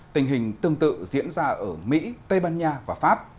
tình hình tương tự diễn ra ở mỹ tây ban nha và pháp